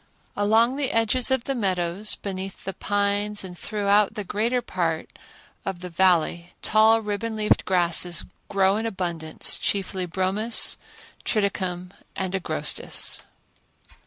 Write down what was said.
Along the edges of the meadows beneath the pines and throughout the greater part of the Valley tall ribbon leaved grasses grow in abundance, chiefly bromus, triticum and agrostis.